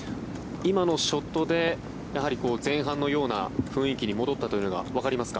今のショットで前半のような雰囲気に戻ったというのがわかりますか。